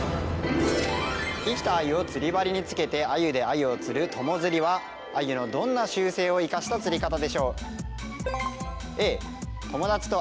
生きたアユを釣り針につけてアユでアユを釣る友釣りはアユのどんな習性を生かした釣り方でしょう？